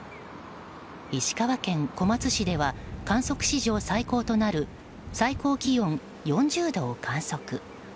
石川県小松市では観測史上最高となる最高気温４０度を観測。